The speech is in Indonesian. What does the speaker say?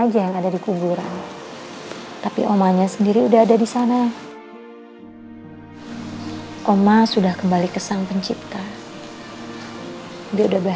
sampai jumpa di video selanjutnya